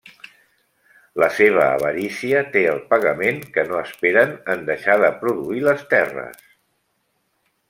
La seva avarícia té el pagament que no esperen en deixar de produir les terres.